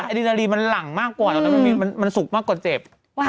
อัดีตาลีมันหลั่งมากกว่ามันสุกมากกว่าเจ็บ